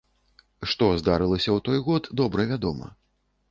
Што здарылася ў той год, добра вядома.